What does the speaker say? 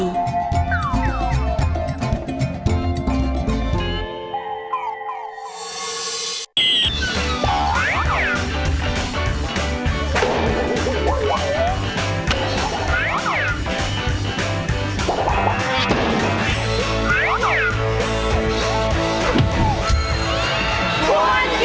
กวนกีฬา